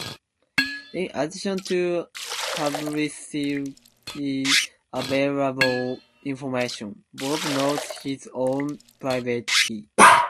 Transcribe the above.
In addition to the publicly available information, Bob knows his own private key.